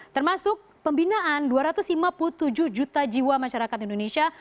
termasuk pembinaan dua ratus lima puluh tujuh juta jiwa masyarakat indonesia